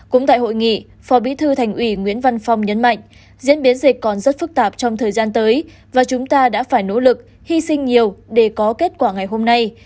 cũng tại hội nghị phó bí thư thành ủy nguyễn văn phong nhấn mạnh diễn biến dịch còn rất phức tạp trong thời gian tới và chúng ta đã phải nỗ lực hy sinh nhiều để có kết quả ngày hôm nay